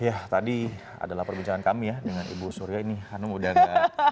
ya tadi adalah perbincangan kami ya dengan ibu surya ini hanum udah gak